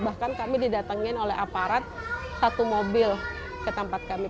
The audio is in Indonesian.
bahkan kami didatengin oleh aparat satu mobil ke tempat kami